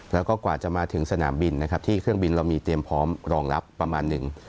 แล้วก็กว่าจะมาถึงสนามบินนะครับที่เครื่องบินเรามีเตรียมพร้อมรองรับประมาณหนึ่ง